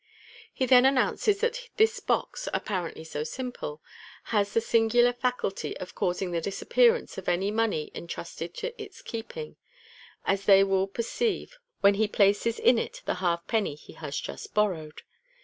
He then announces that this box, apparently so simple, has the singular faculty of causing the disappearance of any money entrusted to its keeping, as they will perceive when he places in it the halfpenny he has just borrowed.